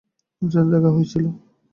অনুষ্ঠানে দেখা হয়েছিল।